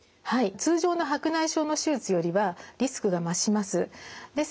通常の白内障の手術よりはリスクが増します。